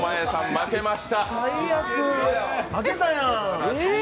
負けたやん。